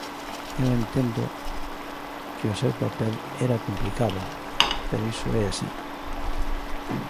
Eu entendo que o seu papel era complicado, pero iso é así.